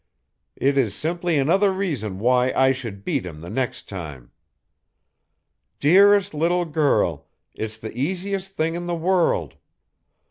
It is simply another reason why I should beat him the next time. "Dearest little girl, it's the easiest thing in the world.